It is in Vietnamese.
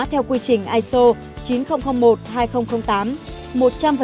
thủ tục hành chính được chuẩn hóa theo quy trình iso chín nghìn một hai nghìn tám